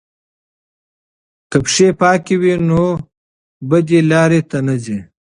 که پښې پاکې وي نو بدې لارې ته نه ځي.